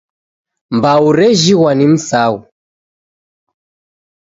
Mbau rejighwa ni msaghu.